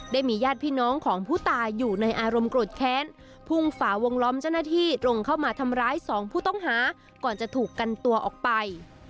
ได้มีญาติพี่น้องของผู้ตายอยู่ในอารมณ์โกรธแค้นพุ่งฝาวงล้อมเจ้าหน้าที่ตรงเข้ามาทำร้ายสองผู้ต้องหาก่อนจะถูกกันตัวออกไป